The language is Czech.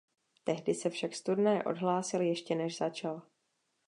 Tehdy se však z turnaje odhlásil ještě než začal.